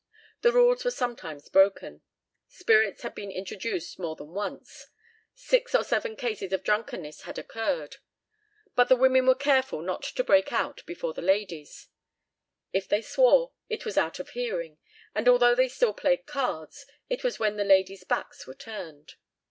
The rules were sometimes broken. Spirits had been introduced more than once; six or seven cases of drunkenness had occurred. But the women were careful not to break out before the ladies; if they swore, it was out of hearing, and although they still played cards, it was when the ladies' backs were turned.